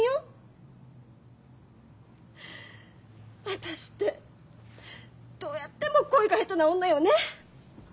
私ってどうやっても恋が下手な女よね。